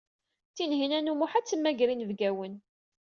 Tinhinan u Muḥ ad temmager inebgawen.